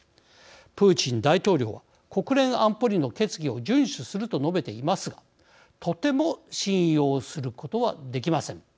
プーチン大統領は国連安保理の決議を順守すると述べていますがとても信用することはできません。